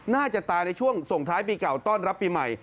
น่าจะตายในช่วงส่งท้ายปีเก่าต้อนรับปีใหม่